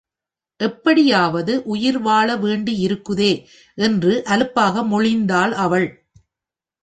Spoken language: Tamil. எப்படியாவது உயிர்வாழ வேண்டியிருக்குதே என்று அலுப்பாக மொழிந்தாள் அவள்.